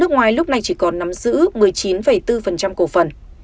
nước ngoài lúc này chỉ còn nắm giữ một mươi chín bốn cổ phần